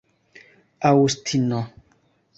aŭstino